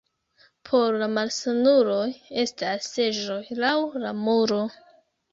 Por la malsanuloj estas seĝoj laŭ la muro.